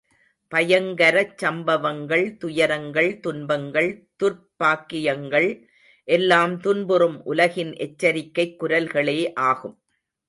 பயங்கரச் சம்பவங்கள், துயரங்கள் துன்பங்கள், துர்ப் பாக்கியங்கள் எல்லாம் துன்புறும் உலகின் எச்சரிக்கைக் குரல்களே ஆகும்.